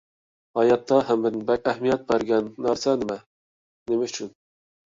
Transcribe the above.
ھاياتتا ھەممىدىن بەك ئەھمىيەت بەرگەن نەرسە نېمە؟ نېمە ئۈچۈن؟